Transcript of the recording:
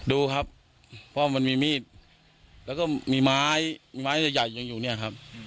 ดูครับเพราะมันมีมีดแล้วก็มีไม้มีไม้ใหญ่ยังอยู่เนี่ยครับ